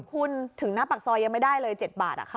คุณถึงหน้าปากซอยยังไม่ได้เลย๗บาท